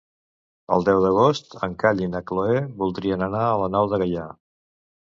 El deu d'agost en Cai i na Cloè voldrien anar a la Nou de Gaià.